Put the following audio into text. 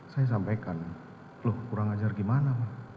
saya sampaikan loh kurang ajar gimana